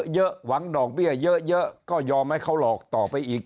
หวังดอกเบี้ยเยอะก็ยอมให้เขาหลอกต่อไปอีก